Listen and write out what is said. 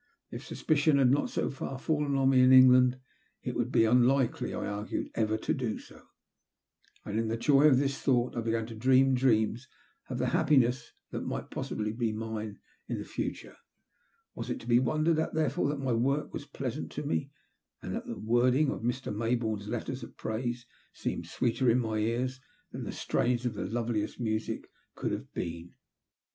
If sus picion had not so far fallen on me in England, it would be unlikely, I argued, ever to do so ; and in the joy of this thought I began to dream dreams of the happi ness that might possibly be mine in the future. Was it to be wondered at therefore that my work was pleasant to me and that the wording of Mr. May bourne's letters of praise seemed sweeter in my ears than the strains of the loveliest music could have been.